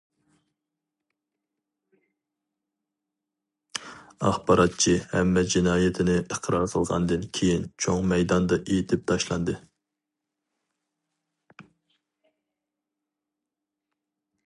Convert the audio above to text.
ئاخباراتچى ھەممە جىنايىتىنى ئىقرار قىلغاندىن كېيىن چوڭ مەيداندا ئېتىپ تاشلاندى.